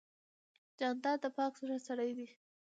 جانداد د پاک زړه سړی دی.